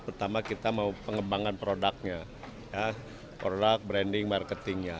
pertama kita mau pengembangan produknya produk branding marketingnya